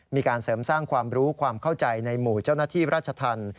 มีการเสริมสร้างความรู้ความเข้าใจในหมู่เจ้าหน้าที่ราชธรรม